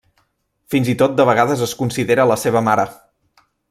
Fins i tot de vegades es considera la seva mare.